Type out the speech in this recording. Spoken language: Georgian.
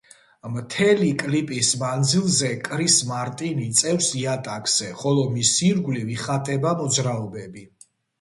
მთელი კლიპის მანძილზე კრის მარტინი წევს იატაკზე, ხოლო მის ირგვლივ იხატება მოძრაობები.